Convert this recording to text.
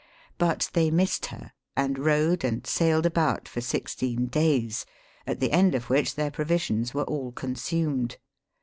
But, they missed her, and rowed and sailed about for sixteen days, at the end of which their pro visions were all consumed.